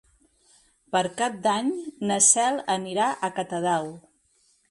Per Cap d'Any na Cel anirà a Catadau.